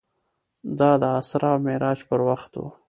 دا د اسرا او معراج پر وخت و.